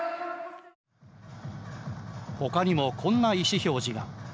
ほかにも、こんな意思表示が。